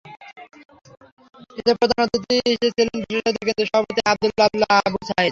এতে প্রধান অতিথি ছিলেন বিশ্বসাহিত্য কেন্দ্রের সভাপতি অধ্যাপক আবদুল্লাহ আবু সায়ীদ।